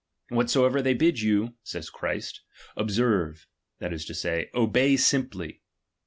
Whatsoever they bid you (says Christ) observe, that is to say, ohey simply.